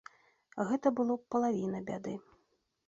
Гэта было б палавіна бяды.